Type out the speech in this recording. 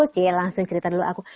c langsung cerita dulu aku